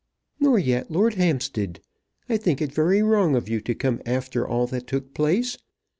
"Nor yet Lord Hampstead. I think it very wrong of you to come after all that took place.